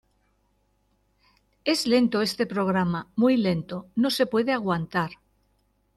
¡Es lento este programa, muy lento, no se puede aguantar!